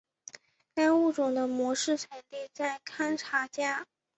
该物种的模式产地在堪察加。